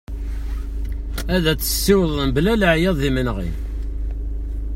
Ad as-tessiwḍeḍ mebla leɛyaḍ d yimenɣi.